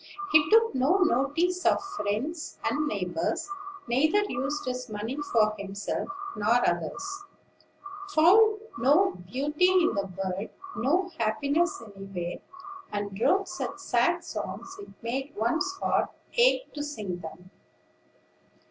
He took no notice of friends and neighbors; neither used his money for himself nor others; found no beauty in the world, no happiness anywhere; and wrote such sad songs it made one's heart ache to sing them.